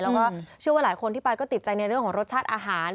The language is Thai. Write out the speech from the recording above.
แล้วก็เชื่อว่าหลายคนที่ไปก็ติดใจในเรื่องของรสชาติอาหาร